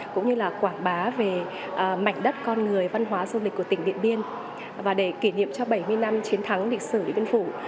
cũng như là quảng bá về mảnh đất con người văn hóa du lịch của tỉnh điện biên và để kỷ niệm cho bảy mươi năm chiến thắng lịch sử điện biên phủ